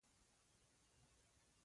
دا نا انډولي رامنځته کوي.